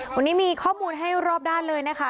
วันนี้มีข้อมูลให้รอบด้านเลยนะคะ